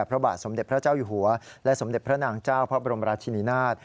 พระบาทสมเด็จพระเจ้าอยู่หัวและสมเด็จพระนางเจ้าพระบรมราชินินาศ